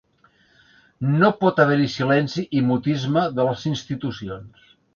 No pot haver-hi silenci i mutisme de les institucions.